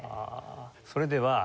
それでは「嵐」。